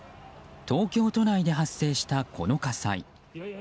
東京都内で発生したこの火災。